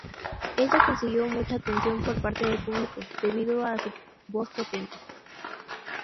Ella consiguió mucha atención por parte del público debido a su voz potente.